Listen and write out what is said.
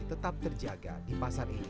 tetap terjaga di pasar ini